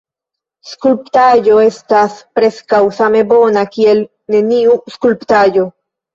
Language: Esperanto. Skulptaĵo estas preskaŭ same bona kiel neniu skulptaĵo.